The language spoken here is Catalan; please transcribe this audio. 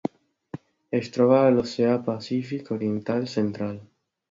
Es troba a l'Oceà Pacífic oriental central: